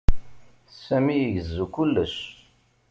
Sami igezzu kullec.